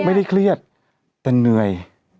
ไม่ได้เครียดแต่เหนื่อย